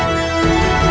aku akan membunuhnya